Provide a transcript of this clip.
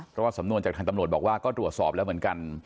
เพราะว่าสำนวนจากทางตำรวจบอกว่าก็ตรวจสอบแล้วเหมือนกัน